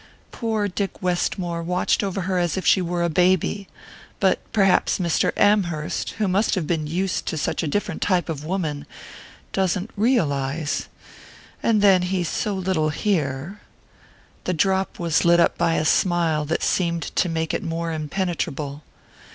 Poor Dick Westmore watched over her as if she were a baby; but perhaps Mr. Amherst, who must have been used to such a different type of woman, doesn't realize...and then he's so little here...." The drop was lit up by a smile that seemed to make it more impenetrable.